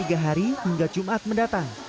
hingga hari hingga jumat mendatang